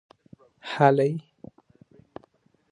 هلئ!